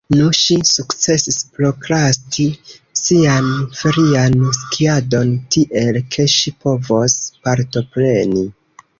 Nu, ŝi sukcesis prokrasti sian ferian skiadon, tiel ke ŝi povos partopreni.